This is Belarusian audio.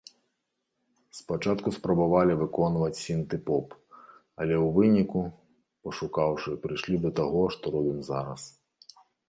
Спачатку спрабавалі выконваць сінты-поп, але ў выніку, пашукаўшы, прыйшлі да таго, што робім зараз.